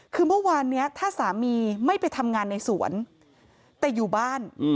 คือเมื่อวานนี้ถ้าสามีไม่ไปทำงานในสวนแต่อยู่บ้าน